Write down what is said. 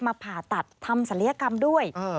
ผ่าตัดทำศัลยกรรมด้วย